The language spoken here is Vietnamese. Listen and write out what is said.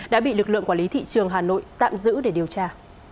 đã bị lực lượng quản lý thị trường hà nội tạm giữ để điều tra